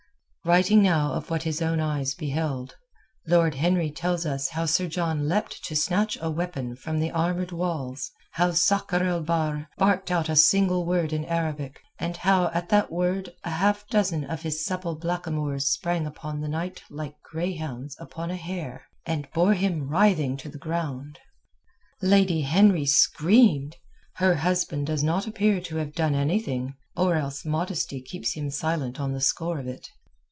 Writing now of what his own eyes beheld, Lord Henry tells us how Sir John leapt to snatch a weapon from the armoured walls; how Sakr el Bahr barked out a single word in Arabic, and how at that word a half dozen of his supple blackamoors sprang upon the knight like greyhounds upon a hare and bore him writhing to the ground. Lady Henry screamed; her husband does not appear to have done anything, or else modesty keeps him silent on the score of it.